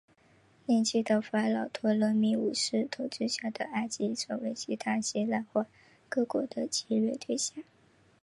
年轻的法老托勒密五世统治下的埃及成为其他希腊化各国的侵略对象。